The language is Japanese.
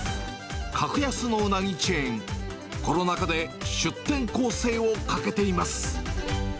格安のうなぎチェーン、コロナ禍で出店攻勢をかけています。